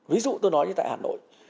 ví dụ tôi nói như tại hà nội